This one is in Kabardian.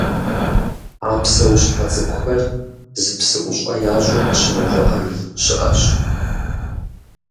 А псэущхьэ цӀыкӀухэр зы псыӀущӀэ ящӀу къыщымыувыӀэж щыӀэщ.